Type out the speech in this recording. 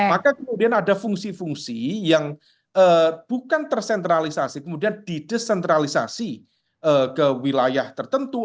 maka kemudian ada fungsi fungsi yang bukan tersentralisasi kemudian didesentralisasi ke wilayah tertentu